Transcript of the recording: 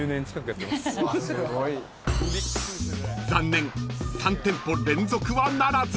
［残念３店舗連続はならず］